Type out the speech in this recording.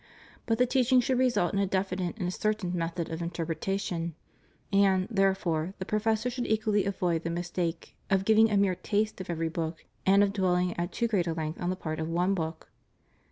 But the teaching should result in a definite and ascer tained method of interpretation — and, therefore, the professor should equally avoid the mistake of giving a mere taste of every book, and of dwelling at too great a length on a part of one book.